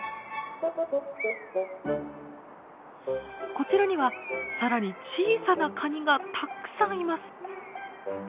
こちらにはさらに小さなカニがたくさんいます。